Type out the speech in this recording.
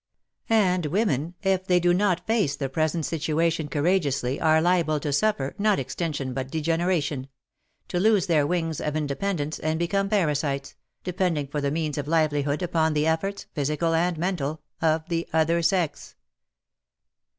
And women, if they do not face the present situation courageously, are liable to suffer, not extinction but degeneration — to lose their wings of inde pendence and become parasites, depending for the means of livelihood upon the efforts, physical and mental, of the other sex.